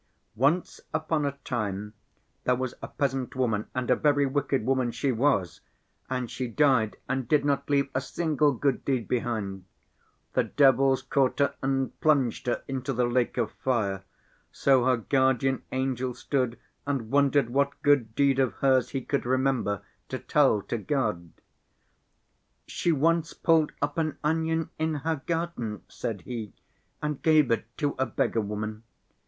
Once upon a time there was a peasant woman and a very wicked woman she was. And she died and did not leave a single good deed behind. The devils caught her and plunged her into the lake of fire. So her guardian angel stood and wondered what good deed of hers he could remember to tell to God; 'She once pulled up an onion in her garden,' said he, 'and gave it to a beggar woman.